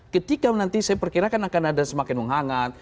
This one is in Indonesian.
ketika nanti saya perkirakan akan ada semakin menghangat